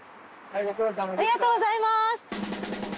ありがとうございます。